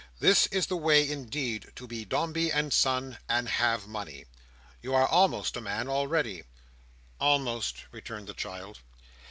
"This is the way indeed to be Dombey and Son, and have money. You are almost a man already." "Almost," returned the child.